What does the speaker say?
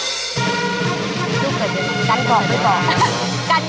นุ่มสาวที่เกิดเดือนในช่วงนี้